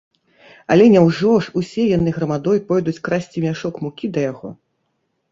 Але няўжо ж усе яны грамадой пойдуць красці мяшок мукі да яго?